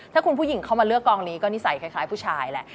ถ้าคุณผู้หญิงเข้ามาเลือกกองนี้ก็นิสัยคล้ายผู้ชายแหละ